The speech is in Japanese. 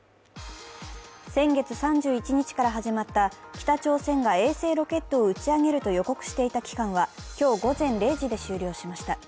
先月３１日から始まった北朝鮮が衛星ロケットを打ち上げるとしていた期間は今日午前０時で終了しました。